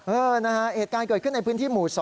เออนะฮะเหตุการณ์เกิดขึ้นในพื้นที่หมู่๒